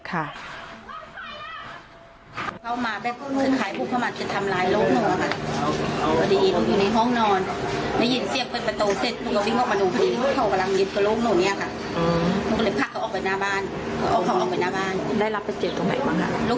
เขามาแบบขายผู้พมัติจะทำร้ายโรคหนูค่ะพอได้ยินว่าอยู่ในห้อง